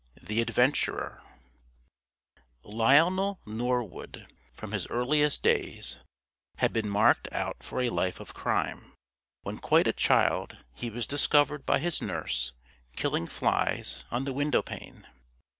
THE ADVENTURER Lionel Norwood, from his earliest days, had been marked out for a life of crime. When quite a child he was discovered by his nurse killing flies on the window pane.